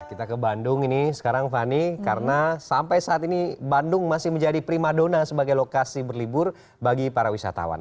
kita ke bandung ini sekarang fani karena sampai saat ini bandung masih menjadi primadona sebagai lokasi berlibur bagi para wisatawan